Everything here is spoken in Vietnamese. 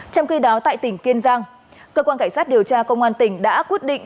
trong khi đó tại tỉnh kiên giang cơ quan cảnh sát điều tra công an tỉnh đã quyết định